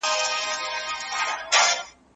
ولي په افغانستان کي ډیپلوماسي مهمه ده؟